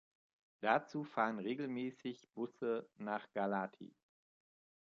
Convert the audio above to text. Dazu fahren regelmäßig Busse nach Galați.